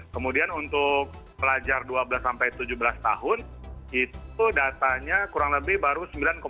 kemudian untuk pelajar dua belas tujuh belas tahun itu datanya kurang lebih baru sembilan enam